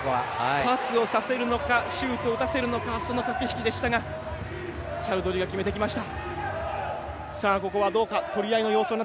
パスをさせるのかシュートを打たせるのかその駆け引きでしたがチャウドリーが決めてきました。